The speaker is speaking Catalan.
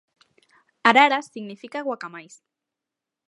Araras significa guacamais.